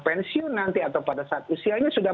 pensiun nanti atau pada saat usianya sudah